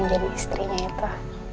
jadi istrinya itu